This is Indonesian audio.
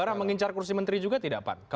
orang mengincar kursi menteri juga tidak pak